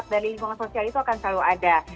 karena hal hal dari lingkungan sosial itu akan selalu ada